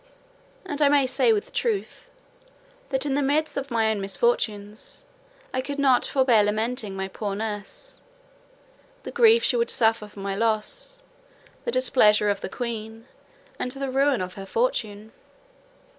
And I may say with truth, that in the midst of my own misfortunes I could not forbear lamenting my poor nurse, the grief she would suffer for my loss, the displeasure of the queen, and the ruin of her fortune.